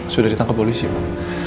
sudah ditangkap polisi pak